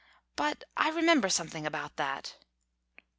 But I remember something about that."